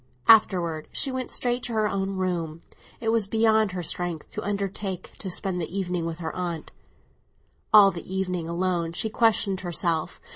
Afterwards she went straight to her own room; it was beyond her strength to undertake to spend the evening with her aunt. All the evening, alone, she questioned herself.